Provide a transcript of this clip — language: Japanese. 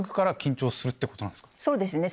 そうですね